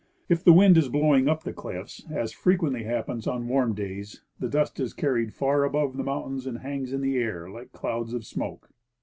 If the wind is blowing up the cliffs, as frequently happens on warm days, the dust is carried far above the mountains, and hangs in the air like clouds of smoke.